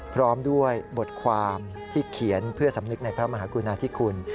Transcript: พร้อมด้วยบทความที่เขียนเพื่อสำนึกในพระมหากรุณาธิคุณ